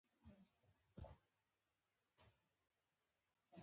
د امر منل یی واجب ګڼل سوی دی .